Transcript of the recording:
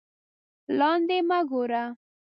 لاندې مه گوره